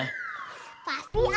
gak mau tau ayo